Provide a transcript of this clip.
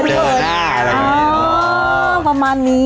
ประมาณนี้